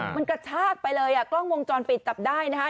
มันกระชากไปเลยอ่ะกล้องวงจรปิดจับได้นะคะ